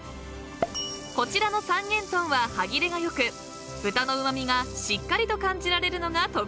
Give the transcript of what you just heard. ［こちらの三元豚は歯切れが良く豚のうま味がしっかりと感じられるのが特徴］